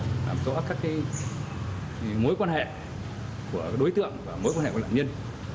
đảm tỏ các mối quan hệ của đối tượng và mối quan hệ của lãnh nhân